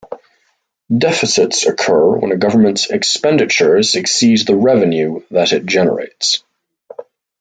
Deficits occur when a government's expenditures exceed the revenue that it generates.